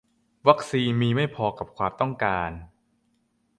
วัคซีนมีไม่พอกับความต้องการ